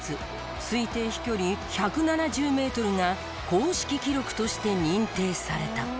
推定飛距離１７０メートルが公式記録として認定された。